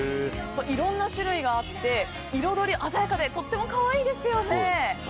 いろんな種類があって彩り鮮やかでとっても可愛いですよね。